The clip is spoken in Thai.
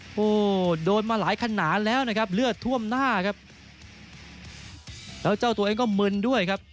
โอ้โหโดนมาหลายขนาดแล้วนะครับเลือดท่วมหน้าครับแล้วเจ้าตัวเองก็มึนด้วยครับ